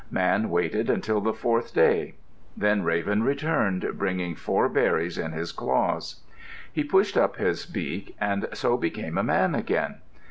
Man waited until the fourth day. Then Raven returned bringing four berries in his claws. He pushed up his beak and so became a man again.